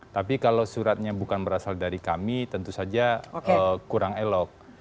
tapi kalau suratnya bukan berasal dari kami tentu saja kurang elok